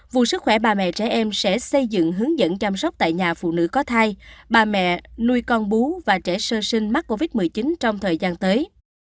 vụ sức khỏe bà mẹ trẻ em sẽ xây dựng hướng dẫn chăm sóc tại nhà phụ nữ có thai bà mẹ nuôi con bú và trẻ sơ sinh mắc covid một mươi chín trong thời gian tới